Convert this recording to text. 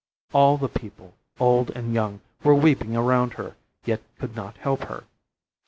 All the people, old and young, were weeping around her, yet could not help her.